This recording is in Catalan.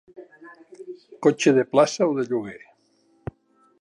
Cotxe de plaça o de lloguer.